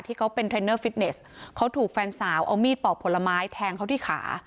ที่เขาเป็นเทรนเนอร์ฟิตเนสเขาถูกแฟนสาวเอามีดปอกผลไม้แทงเขาที่ขา